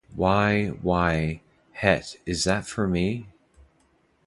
Why — why — Het, is that for me?